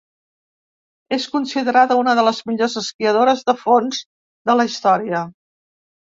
És considerada una de les millors esquiadores de fons de la història.